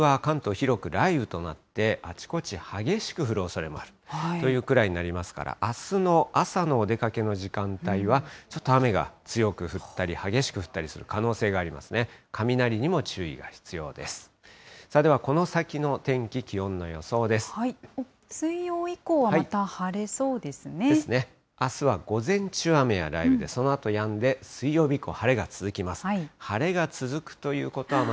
広く雷雨となって、あちこち激しく降るおそれもあるというくらいになりますから、あすの朝のお出かけの時間帯は、ちょっと雨が強く降ったり、激しく降ったりする可能性がありますね。